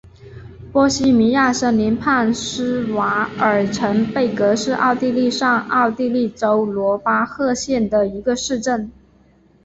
波希米亚森林畔施瓦尔岑贝格是奥地利上奥地利州罗巴赫县的一个市镇。